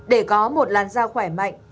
để có một làn da khỏe mạnh